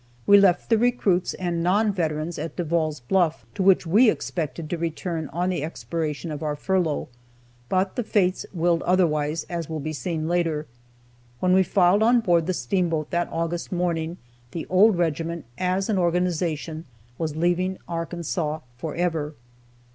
We left the recruits and non veterans at Devall's Bluff, to which we expected to return on the expiration of our furlough, but the Fates willed otherwise, as will be seen later. When we filed on board the steamboat that August morning, the old regiment, as an organization, was leaving Arkansas forever.